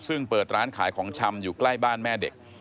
ซึ่งเปิดร้านขายของชำอยู่ใกล้บ้านแม่เด็ก